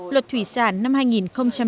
luật thủy sản năm hai nghìn bốn